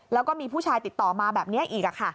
แล้วก็มีผู้ชายติดต่อมาแบบนี้อีก